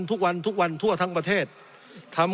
สงบจนจะตายหมดแล้วครับ